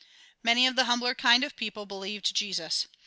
Many of the humbler kind of people believed Jesus.